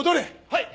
はい！